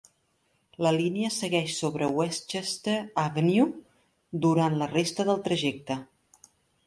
La línia segueix sobre Westchester Avenue durant la resta del trajecte.